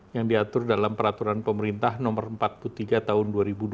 yang diatur dalam peraturan pemerintah nomor empat puluh tiga tahun dua ribu dua puluh